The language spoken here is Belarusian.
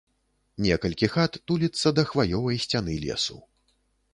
Некалькі хат туліцца да хваёвай сцяны лесу.